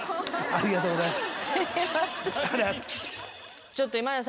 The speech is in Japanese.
ありがとうございます。